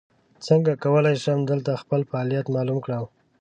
څنګه کولی شم دلته خپل فعالیت معلوم کړم ؟